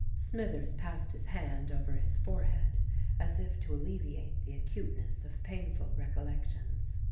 Smithers passed his hand over his forehead, as if to alleviate the acuteness of painful recollections.